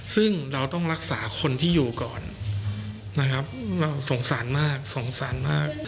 ซึ่งเราต้องรักษาคนที่อยู่ก่อนนะครับเราสงสารมากสงสารมาก